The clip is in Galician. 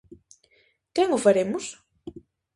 Quen o faremos?